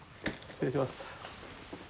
失礼します。